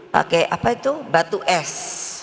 pakai apa itu batu es